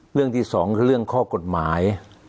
เรื่องที่สองคือเรื่องข้อกฎหมาย